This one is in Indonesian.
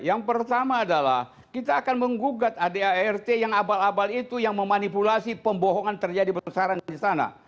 yang pertama adalah kita akan menggugat adart yang abal abal itu yang memanipulasi pembohongan terjadi besaran di sana